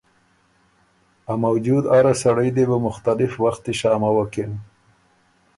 ا موجود اره سړئ دی بُو مُختلف وختی شاموکِن